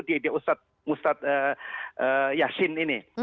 di ustadz yasin ini